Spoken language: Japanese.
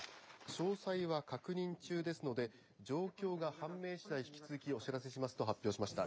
詳細は確認中ですので状況が判明しだい引き続きお知らせしますと発表しました。